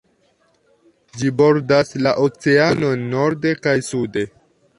Ĝi bordas la oceanon norde kaj sude.